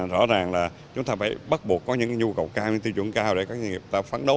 rõ ràng là chúng ta phải bắt buộc có những nhu cầu cao như tiêu chuẩn cao để các doanh nghiệp ta phán đấu